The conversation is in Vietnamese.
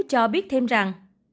cho biết thêm rằng